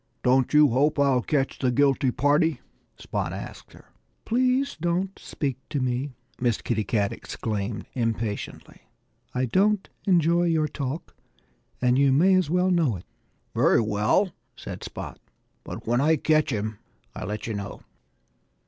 "Don't you hope I'll catch the guilty party?" Spot asked her. "Please don't speak to me!" Miss Kitty Cat exclaimed impatiently. "I don't enjoy your talk; and you may as well know it." "Very well!" said Spot. "But when I catch him I'll let you know."